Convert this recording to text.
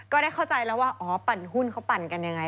ก็ได้เข้าใจแล้วว่าอ๋อปั่นหุ้นเขาปั่นกันยังไง